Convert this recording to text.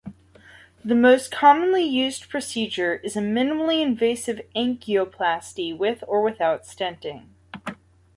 The most commonly used procedure is a minimally-invasive angioplasty with or without stenting.